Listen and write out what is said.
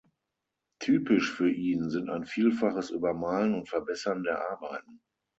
Typisch für ihn sind ein vielfaches Übermalen und Verbessern der Arbeiten.